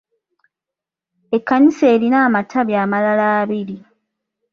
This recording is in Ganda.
Ekkanisa erina amatabi amalala abiri.